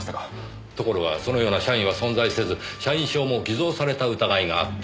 ところがそのような社員は存在せず社員証も偽造された疑いがあった。